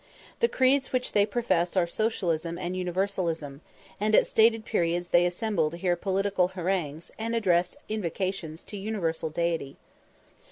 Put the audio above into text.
The creeds which they profess are "Socialism" and "Universalism," and at stated periods they assemble to hear political harangues, and address invocations to universal deity.